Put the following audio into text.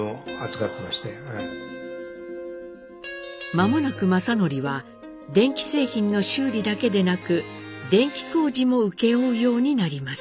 間もなく正徳は電気製品の修理だけでなく電気工事も請け負うようになります。